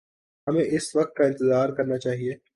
ہمیں اس وقت کا انتظار کرنا چاہیے۔